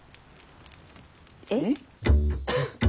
えっ？